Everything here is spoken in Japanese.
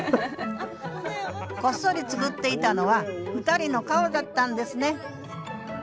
こっそり作っていたのは２人の顔だったんですね